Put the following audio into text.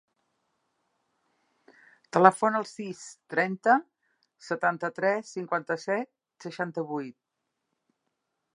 Telefona al sis, trenta, setanta-tres, cinquanta-set, seixanta-vuit.